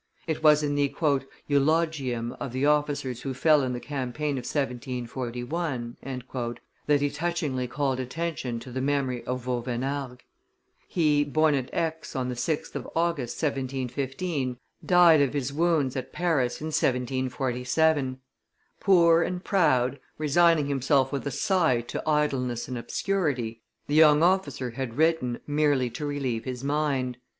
It was in the "eulogium of the officers who fell in the campaign of 1741" that he touchingly called attention to the memory of Vauvenargues. He, born at Aix on the 6th of August, 1715, died of his wounds, at Paris, in 1747. Poor and proud, resigning himself with a sigh to idleness and obscurity, the young officer had written merely to relieve his mind.